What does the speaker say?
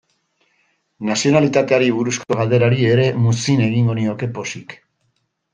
Nazionalitateari buruzko galderari ere muzin egingo nioke pozik.